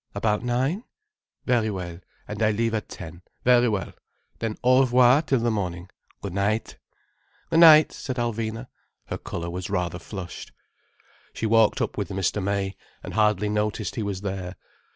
"About nine?" "Very well, and I leave at ten. Very well. Then au revoir till the morning. Good night." "Good night," said Alvina. Her colour was rather flushed. She walked up with Mr. May, and hardly noticed he was there.